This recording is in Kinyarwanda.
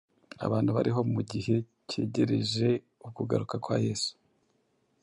Abantu bariho mu gihe cyegereje ukugaruka kwa Yesu,